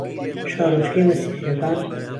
شارۆچکەی مەسیحییەکان